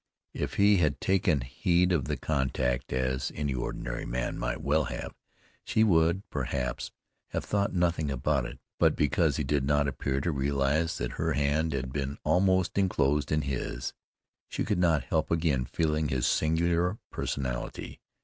If he had taken heed of the contact, as any ordinary man might well have, she would, perhaps, have thought nothing about it, but because he did not appear to realize that her hand had been almost inclosed in his, she could not help again feeling his singular personality.